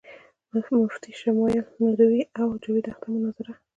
مفتی شمائل ندوي او جاوید اختر مناظره